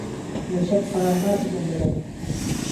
Йәшәп ҡарарға ине берәй.